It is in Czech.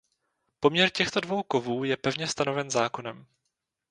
Poměr těchto dvou kovů je pevně stanoven zákonem.